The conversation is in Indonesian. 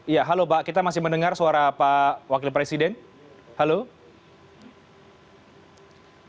ya halo pak kita masih mendengar suara pak wakil presiden jokowi dodo juga begitu ya pak maruf amin